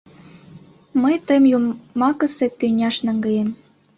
Мый тыйым йомакысе тӱняш наҥгаем!»